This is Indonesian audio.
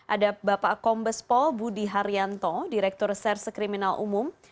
ada bapak kombes pol budi haryanto direktur serse kriminal umum